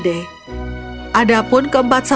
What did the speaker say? ya itu adalah karakter yang biasa